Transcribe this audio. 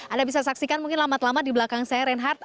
anda bisa saksikan mungkin lamat lama di belakang saya reinhardt